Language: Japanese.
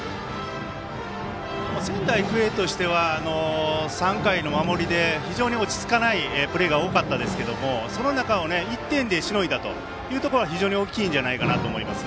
仙台育英としては３回の守りで非常に落ち着かないプレーが多かったですけれどもその中を１点でしのいだというところが非常に大きいんじゃないかなと思います。